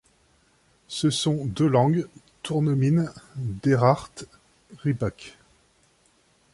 Ce sont Delanghe, Tournemine, Deradt, Rybak.